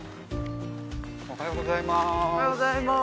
おはようございます。